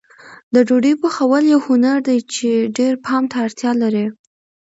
د ډوډۍ پخول یو هنر دی چې ډېر پام ته اړتیا لري.